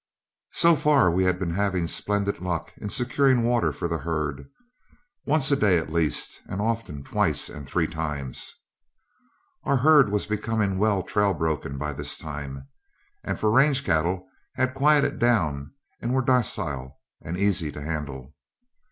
So far we had been having splendid luck in securing water for the herd, once a day at least, and often twice and three times. Our herd was becoming well trail broken by this time, and for range cattle had quieted down and were docile and easy to handle.